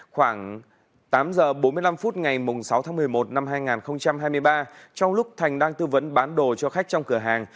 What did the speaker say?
khoảng tám giờ bốn mươi năm phút ngày sáu tháng một mươi một năm hai nghìn hai mươi ba trong lúc thành đang tư vấn bán đồ cho khách trong cửa hàng